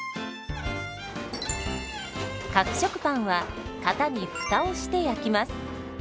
角食パンは型に「フタ」をして焼きます。